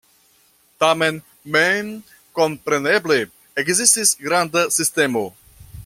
Tamen memkompreneble ekzistis granda sistemo.